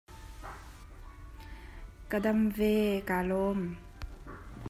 Ka dam ve, kaa lawm.